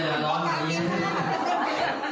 แต่ฬักษณะถี่